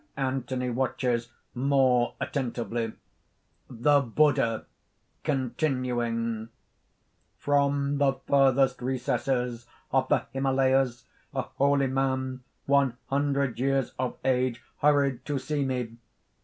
" (Anthony watches more attentively.) THE BUDDHA (continuing). "From the furthest recesses of the Himalayas, a holy man one hundred years of age, hurried to see me."